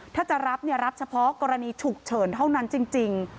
ถ้าจะรับรับเฉพาะกรณีฉุกเฉินเท่านั้นจริง